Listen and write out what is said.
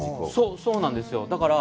そうなんですよ。